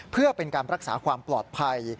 เพื่อเป็นการรักษาความปลอดภัย